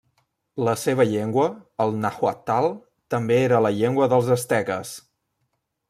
La seva llengua, el nàhuatl, també era la llengua dels asteques.